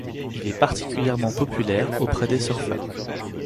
Il est particulièrement populaire auprès des surfeurs.